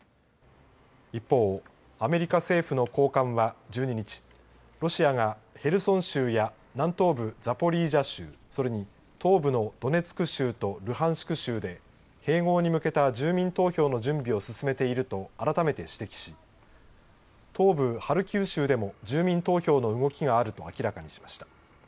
一方、アメリカ政府の高官は１２日ロシアがヘルソン州や南東部ザポリージャ州それに東部のドネツク州とルハンシク州で併合に向けた住民投票の準備を進めていると改めて指摘し東部ハルキウ州でも住民投票の動きがあると明らかにしました。